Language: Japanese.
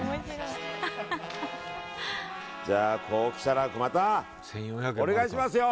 じゃあ、こう来たらまたお願いしますよ！